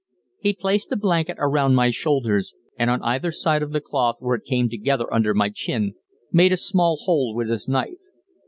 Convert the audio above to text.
He placed the blanket around my shoulders, and on either side of the cloth where it came together under my chin made a small hole with his knife.